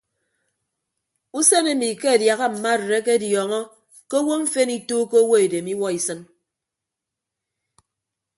Usen emi ke adiaha mma arịd akediọọñọ ke owo mfen ituuko owo edem iwuọ isịn.